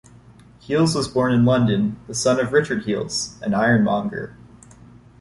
Heales was born in London, the son of Richard Heales, an ironmonger.